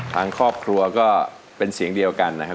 ทางครอบครัวก็เป็นเสียงเดียวกันนะครับ